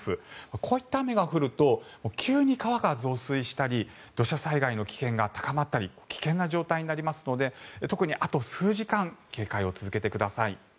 こういった雨が降ると急に川が増水したり土砂災害の危険が高まったり危険な状態になりますので特に、あと数時間警戒を続けてください。